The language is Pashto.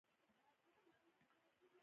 • د انتظار لپاره کښېنه.